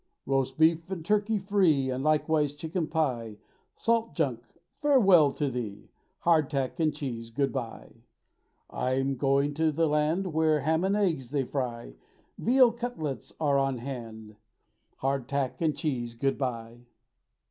Roast beef and turkey free, And likewise chicken pie, Salt junk—farewell to thee! Hard tack and cheese, good bye! I'm going to the land Where ham and eggs they fry; Veal cutlets are on hand; Hard tack and cheese, good bye!